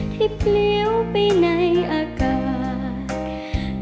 ที่เปลี่ยวไปในอากาศ